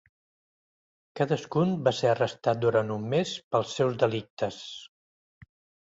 Cadascun va ser arrestat durant un mes pels seus delictes.